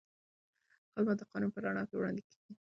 خدمت د قانون په رڼا کې وړاندې کېږي.